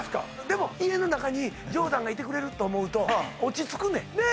でも家の中にジョーダンがいてくれると思うと落ち着くねんね？